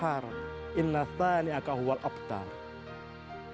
yang diberikan sejak ketika kami kembali ke dunia